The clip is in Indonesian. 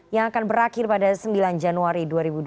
yang akan berakhir pada sembilan januari dua ribu dua puluh